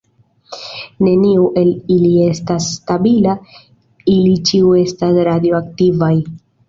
Neniu el ili estas stabila; ili ĉiuj estas radioaktivaj.